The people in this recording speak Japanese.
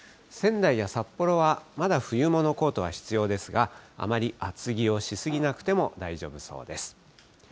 仙台や札幌は、まだ冬物コートが必要ですが、あまり厚着をし過ぎなくても、大丈夫そうです。